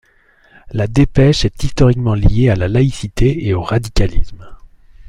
La Dépêche est historiquement lié à la laïcité et au radicalisme.